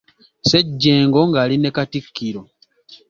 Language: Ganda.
Ssejjengo ng'ali ne Katikkiro.